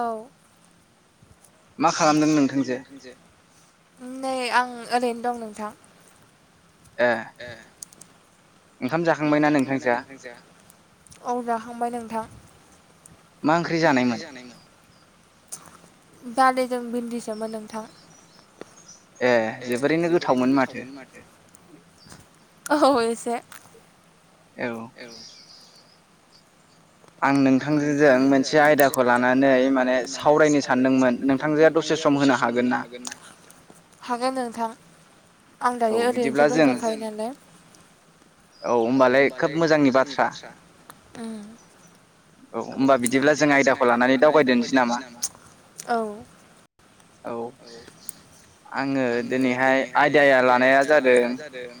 औ। मा खालामदों नोंथांजोे? नै आं ओरैनो दं नोंथां। ए औ जाखांबाय नोंथां। दालिजों बिन्दिसोमोन नोंथां। औ ए से औ। हागोन नोंथां। आं दायो ओरैनोसो दंथ'खायो नालाय। उम। औ। औ आङो दिनैहाय आयदाया ला लानाया जादों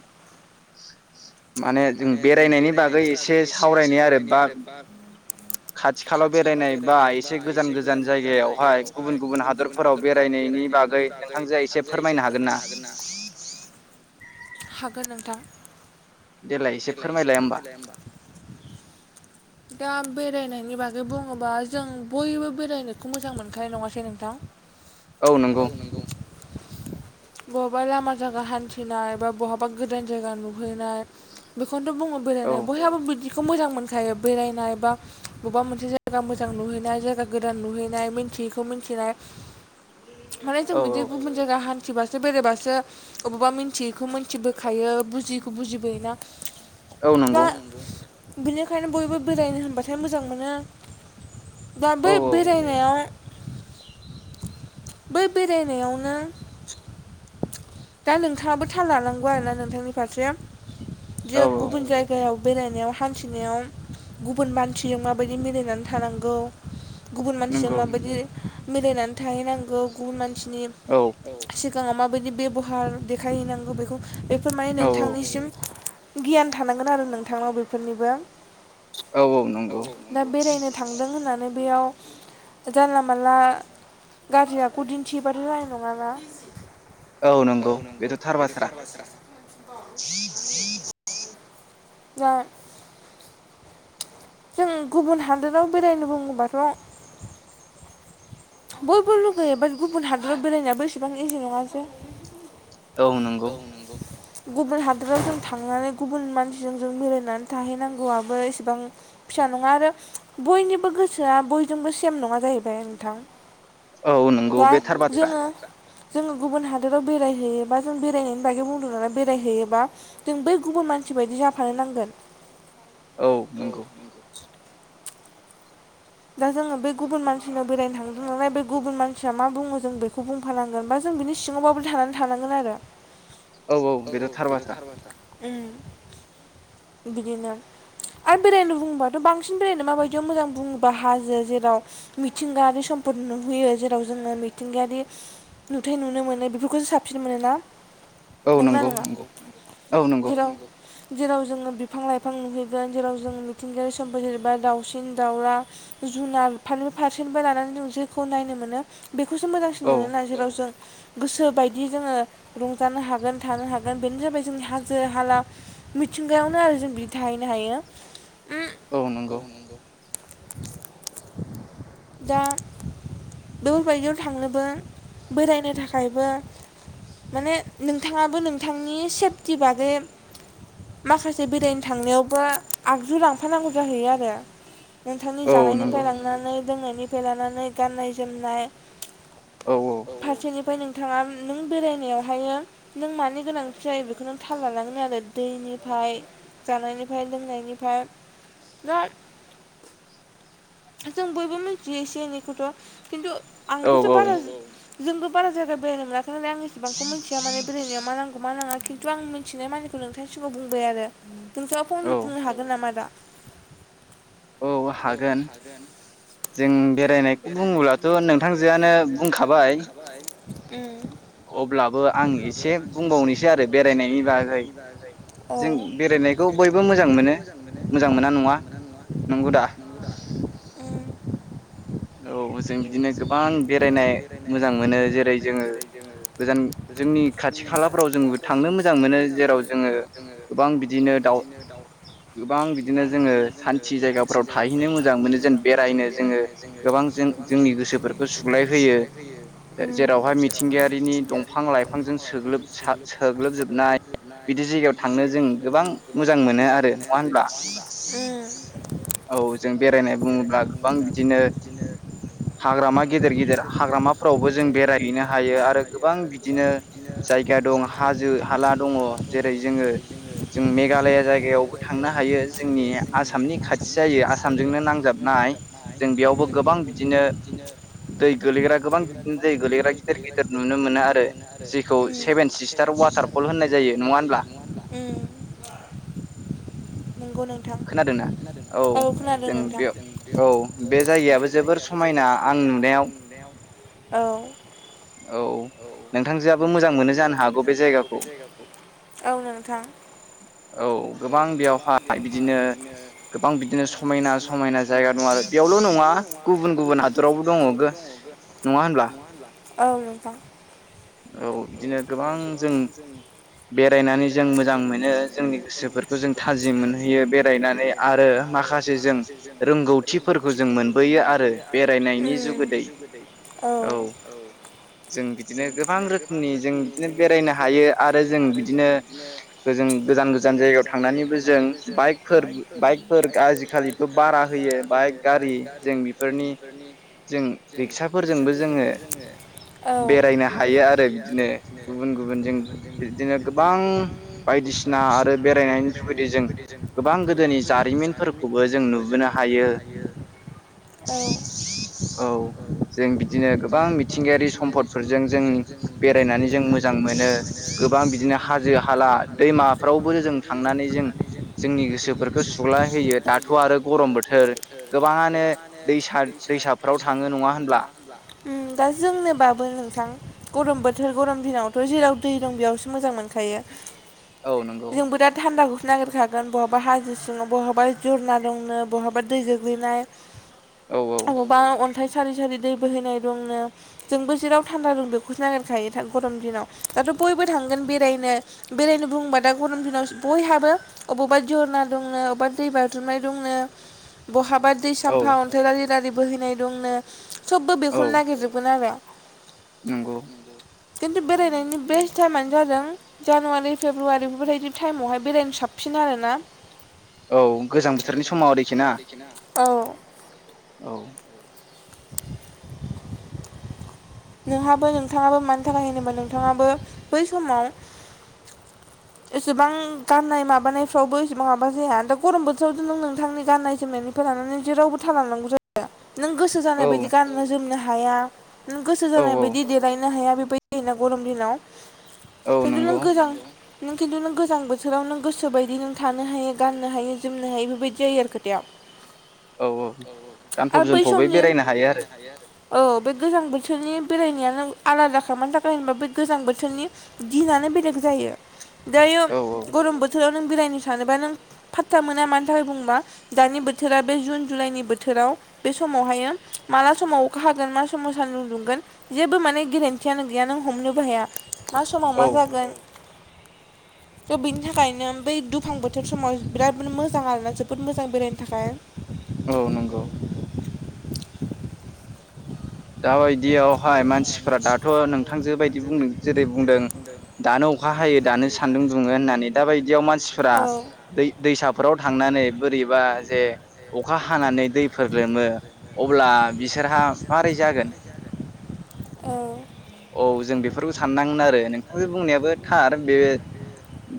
माने जों बेरायनायनि बागै एसे सावरायनि आरो बा खाथि खालाव बेरायनाय बा एसे गोजान गोजान जायगायावहाय गुबुन गुबुन हादोरफोराव बे फोराव बेरायनायनि बागै नोंथांजोआ एसे फोरमायनो हागोन ना हागो गोन नोंथां । देलाय एसे फोरमायलाय होमबा । दा बेरायनायनि बागै बुङोबा जों बयबो बेरायनोखौ मोजां मोनखायो नङासै नोंथां? औ नोंगौ। बहाबा लामा जायगा हान्थिनाय बा बहाबा गोदान जायगा नुहैनाय बेखौ [unintelligible] बुङो बेरायनाय बयहाबो बिदि [unintelligible] मोजां मोनखायो बेरायनाय बा बबेबा मोनसे जायगा मोजां नुहैनाय जायगा गोदान नुहैनाय मिथियैखौ मिथिनाय । माने जों बिदि गुबुन जायगा हान थिबासो बेरायबासो अबावबा मिनथियैखौ मोनथिबोखायो बुजियैखौ बुजिबोयोना । औ नंगौ । बिनिखायनो बयबो बेरायनो होनबाथाय मोजां मोनो । दा बै बेरायनायाव बै बेरायनायावनो दा नोंथाङाबो थाल लानांगौ आरोना नोंथांनि फारसे । जे गुबुन जायगायाव बेरायनायाव हान्थिनायाव गुबुन मानसिजों माबायदि मिलायनानै थानांगौ गुबुन मानसिजों माबायदि मिलायनानै थाहैनांगौ गुबुन मानसि नि औ । सिगाङाव माबायदि बेब'हार देखायहैनांगो बेखौ बेफोर माने नोंथांनिसिम गियान थानांगोन आरो नोंथांनाव बेफोरनिबो [unintelligible] दा बेरायनो थांदों होननानै बेयाव जानला मानला गाज्रि आखु दिन्थियोबाथ' जानाय नङाना । औ नोंगौ बेथ' थार बाथ्रा । दा जों गुबुन हादोराव बेरायनो बुङोबाथ' बयबो लुगैयो बाद गुबुन हादोराव बेरायनायाबो इसेबां इजि नङा जे औ नोंगौ । गुबुन हादोराव जों थांनानै गुबुन मानसिजों जों मिलायनानै थाहैनांगौआबो एसेबां फिसा नङा आरो बयनिबो गोसोआ बयजोंबो सेम नङा जाहैबाय नोंथां । औ नोंगौ बे थार बाथ्रा । जोङो गुबुन हादोराव बेरायहैयोबा जों बेरायनायनि बागै बुंदोंनालाय बेरायहैयोबा जों बै गुबुन मानसि बायदि जाफानो नांगोन । औ [unintelligible] [inaudible] दा जोङो बे गुबुन मानसिनियाव बेरायनो थांदों नालाय बे गुबुन मानसिया मा बुङो जों बेखौ बुंफानांगोन बा जों बिनि सिङावबाबो थानानै थानांगोन आरो । औ औ बेथ' थार बाथ्रा । उम बिदिनो आरो बेरायनो बुंबाथ' बांसिन बेरायनो माबायदियाव मोजां बुं बा हाजो जेराव मिथिंगायारि सम्पद नुहोयो जेराव जोंङो मिथिंगायारि नुथाय नुनो मोनो बेफोरखौसो साबसिन मोनोना? औ नंगौ नंगौ औ नंगौ जेराव जोङो बिफां लाइफां नुहैगोन जेराव जों मिथिंगायारि सम्पदफोर जेनेबा दावसिन दाउला जुनार फार-फारसेनिफ्राय लानानै नों जेखौ नायनो मोनो बेखौसो मोजांसिन मोनो ना जेराव जों गोसो बायदि जोंङो रंजानो हागोन थानो हागोन बेनो जाबाय जोंनि हाजो हाला मिथिंगायावनो आरो जों बिदि थाहैनो हायो । औ नंगौ दा बेफोरबायदियाव थांनोबो बेरायनो थाखायबो माने नोंथाङाबो नोंथांनि सेफटि बागै माखासे बेरायनो थांनायावबो आगजु लांफानांगौ जाहैयो आरो नोंथांनि जानायनिफ्राय लांनानै लोंनायनिफ्राय लानानै गाननाय जोमनाय फारसेनिफ्राय नों नोंथाङा नों बेरायनायावहायो नों मानि गोनांथि जायो बेखौ नों थाल लानांगोन आरो दैनिफ्राय जानायनिफ्राय लोंनायनिफ्राय बिराद जों बयबो मोनथियो एसे-एनैखौथ' खिन्थु आंबोथ' बारा जोंबो बारा जायगा बेरायनो मोनाखै आं इसेबांखौ मिथिया माने बेरायनायाव मा नांगौ मानङा खिन्थु आं मिथिनाय मानिखौ नोंथांनि सिगाङाव बुंबाय आरो नोंथाङा फंनैसो बुंनो हागोन नामा दा? औ हागोन जों बेरायनायखौ बुङोब्लाथ' नोंथांजोआनो बुंखाबाय उम अब्लाबो आं एसे बुंबावनोसै आरो बेरायनायनि बागै जों बेरायनायखौ बयबो मोजां मोनो मोजां मोना नङा नंगौ दा? औ जों बिदिनो गोबां बेरायनो मोजां मोनो जेरै जोंङो गोजान जोंनि खाथि-खालाफ्राव जों थांनो मोजां मोनो जेराव जोंङो गोबां बिदिनो दाउ गोबां बिदिनो जोंङो सान्थि जायगाफोराव थाहैनो मोजां मोनो जेन बेरायनो जोंङो जोंङो गोबां जों जोंनि गोसोफोरखौ सुलायफैयो जेरावहाय मिथिंगायारिनि दंफां-लाइफांजों साग्लोबजोबनाय बिदि जायगायाव थांनो जों गोबां मोजां मोनो आरो नङा होनब्ला? औ जों बेरायनाय बुङोब्ला गोबां बिदिनो हाग्रामा गेदेर-गेदेर हाग्रामाफोरावबो जों बेरायहैनो हायो आरो गोबां बिदिनो जायगा दं हाजो हाला दङ जेरै जोंङो जों मेघालया जायगायावबो थांनो हायो जोंनि आसामनि खाथि जायो आसामजोंनो नांजाबनाय जों बेयावबो गोबां बिदिनो दै गोलैग्रा गोबां बिदिनो दै गोलैग्रा गिदिर-गिदिर नुनो मोनो आरो जेखौ सेभेन सिस्टार वाटारफल होननाय जायो नङा हब्ला? नोंगौ नोंथां। औ जों बे औ बे जायगायाबो जोबोर समायना आं नुनायाव औ औ नोंथांजोआबो मोजां मोनो जानो हागौ बे जायगाखौ औ नोंथां औ गोबां बेवहाय बिदिनो गोबां बिदिनो समायना-समायना जायगा दं आरो बेयावल' नङा गुबुन-गुबुन हादरावबो दङ नङा होनब्ला? औ नोंथां औ बिदिनो गोबां जों बेरायनानै जों मोजां मोनो जोंनि गोसोफोरखौ जों थाजिम मोनहैयो बेरायनानै आरो माखासे जों रोंगौथिफोरखौ जों मोनबोयो आरो जुगिदै औ जों गोबां रोखोमनि जों बिदिनो बेरायनो हायो आरो जों बिदिनो गोजान-गोजान जायगायाव थांनानैबो जों बाइकफोर बाइकफोर आजिखालिथ' बारा होयो बाइक गारि जों बेफोरनि जों रिक्साफोरजोंबो जोङो बेरायनो हायो हायो आरो बिदिनो गुबुन-गुबुन जों बिदिनो गोबां बायदिसिना आरो बेरायनायनि जुगिदि जों गोबां [unintelligible] गोदोनि जारिमिनफोरखौबो जों नुबोनो हायो औ जों बिदिनो गोबां मिथिंगायारि सम्पदफोरजों जों बेरायनानै जों मोजां मोनो गोबां बिदिनो हाजो हाला दैमाफ्रावबो जों थांनानै जों जोंनि गोसोफोरखौ गोसुग्लाय होयो दाथ आरो गरम बोथोर गोबाङानो दैसा दैसाफ्राव थाङो नङा होनब्ला गोां गरम बोथोर गरम दिनावथ जेराव दै दं बेयावसो मोजां मोनखायो जोंबो दा थान्दा ह नागिरखागोन बहाबा हाजो सिङाव बहाबा जरना दंनो बहाबा दै गोग्लैनाय औ औ हाथाय सारि सारि दै बोहैनाय दंनो जोंबो जेराव थान्दा दं बेखौसो नागिरखायो गरम दिनाव दाथ बयबो थांगोन बेरायनो बेरायनो बुोबा दा गरम दिनाव बयहाबो अबावबा जरना [unintelligible] बायदि साफा अन्थे बोहैनाय दंनो सबबो बेखौनो नागिरजोबगोन आरो [inaudible] खिन्थु बेरायनायनि बेस्ट टाइमानो जादों जानुवारि फेब्रुवारि बेफोरबायदि टाइमावहाय बेरायनो साबसिन आरोना औ गोजां बोथोरनि समाव आरोखि ना औ औ नोंहाबो नोंथाङाबो मानि थाखाय होनबा नोंथाङाबो बै समाव एसेबां गाननाय माबानायफ्रावबो एसेबां मबा जाया दा गरम बोथोराव नों नोंथांनि गाननाय जोमनायनिफ्राय लानानै जेरावबो थालांनांगौ जायो नों गोसो जानाय बायदि गाननो जोमनो हायो हाया नों गोसो जानाय बायदि देलायनो हाया बेबायदि जायोना गरम दिनाव किन्थु नों गोजां नों खिन्थु नों गोजां बोथोराव नों गोसोबायदि नों थानो हायो गाननो हायो जोमनो हायो बेबायदि जायो आरो खोथाया औ औ गानफब जोमफबै बेरायनो हायो आरो औ बे गोजां बोथोरनि बेरायनायानो आलादा खामानि थाखाय होनबा बे गोजां बोथोरनि दिनानो बेलेग जायो दायो गरम बोथोराव नों बेरायनो सानोबा नों फात्था मोना मानि थाखाय बुंबा दानि बोथोरा बे जुन जुलाइनि बोथोराव बे समावहायो माला समाव अखा हागोन मा समाव सान्दुं दुंगोन जेबो माने गेरेन्थियानो गैया नों हमनोबो हाया । मा समाव मा जागोन थ' बेनि थाखायनो बै दुफां बोथोर समाव जों बिराद मोजां आरोना जोबोद मोजां बेरायनो थाखाय औ नंगौ दाबायदियाव हाय मानसिफ्रा दाथ' नोंथांजो बायदि बुंदों जेरै बुंदों दानो अखा हायो दानो सान्दुं दुङो होननानै दा बायदियाव मानसिफोरा दै दैसाफोराव थांनानै बोरैबा जे अखा हानानै दैफोर लोमो अब्ला बिसोरहा मारै जागोन? औ औ जों बेफोरखौ साननांगोन आरो नोंथांजों बुंनायाबो थार बे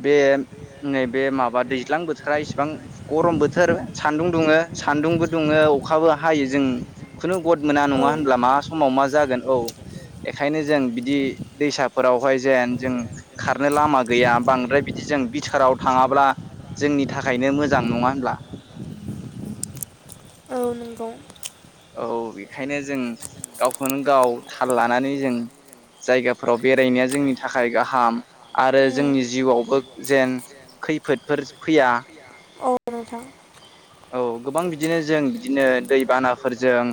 बे नैबे माबा दैज्लां बोथोरा इसेबां गरम बोथोर सान्दुं दुङो सान्दुंबो दुङो अखाबो हायो जों खुनु गद मोना नङा होनब्ला मा समाव मा जागोन औ जों बिदि दैसाफोरावहाय जेन जों खारनो लामा गैया बांद्राय बिदि जों बिाथोराव थाङाब्ला जोंनि थाखायनो मोजां नङा होनब्ला औ नंगौ औ बेखायनो जों गावखौनो गाव थाल लानानै जों जायगाफोराव बेरायनाया जोंनि थाखाय गाहाम आरो जोंनि जिउआवबो जेन खैफोदफोर फैया नंगौ नोंथां औ गोबां बिदिनो जों बिदिनो दैबानाफोरजों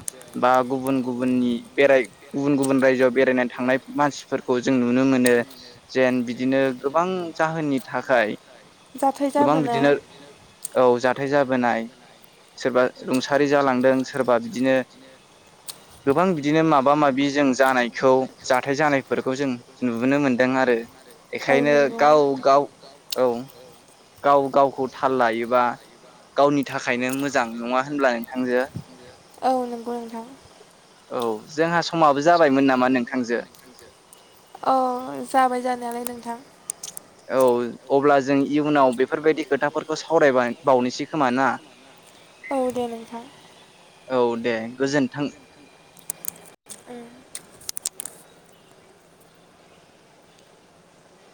बा गुबुन-गुबुन गुबुननि बेराय गुबुन-गुबुन रायजोआव बेरायनानै थांनाय मानसिफोरखौ जों नुनो मोनो जेन बिदिनो गोबां जाहोननि थाखाय गोबां बिदिनो औ जाथाय जाबोनाय सोरबा रुंसारि जालांदों सोरबा बिदिनो गोबां बिदिनो माबा माबि जों जानायखौ जाथाय जानायफोरखौ जों नुबोनो मोनदों आरो बेखायनो गाव-गाव औ गाव गावखौ थाल लायोबा गावनि थाखायनो मोजां नङा होनब्ला औ नंगौ नोंथां औ जोंहा समाबो जाबायमोन नामा नोंथांजो? औ जाबाय जानायालाय नोंथां औ अब्ला जों इयुनाव बे फोरबायदि खोथाफोरखौ सावरायबाय बावनोसै खोमा ना? औ दे नोंथां औ दे गोजोन्थों उम